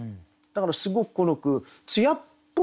だからすごくこの句艶っぽい。